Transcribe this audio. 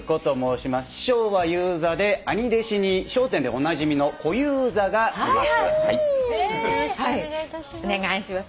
師匠は遊三で兄弟子に『笑点』でおなじみの小遊三がいます。